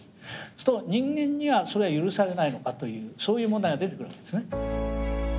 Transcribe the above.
すると人間にはそれが許されないのかというそういう問題が出てくるわけですね。